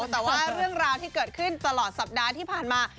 แต่ว่าเรื่องราวที่เกิดขึ้นตลอดสัปดาห์ที่ผ่านมา